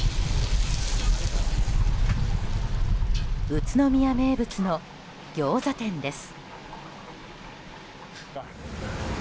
宇都宮名物のギョーザ店です。